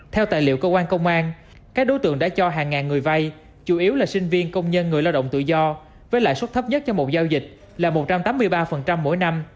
theo tài liệu cơ quan công an các đối tượng đã cho hàng ngàn người vay chủ yếu là sinh viên công nhân người lao động tự do với lãi suất thấp nhất cho một giao dịch là một trăm tám mươi ba mỗi năm